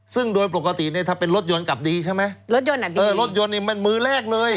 ซึ่งโดยปกติถ้าเป็นรถยนต์กลับดีใช่ไหมรถยนต์นี่มันมือแรกเลย